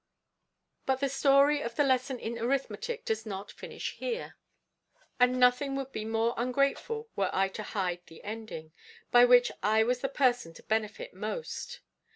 But the story of the Lesson in Arithmetic does not finish here; and nothing would be more ungrateful were I to hide the ending: by which I was the person to benefit most.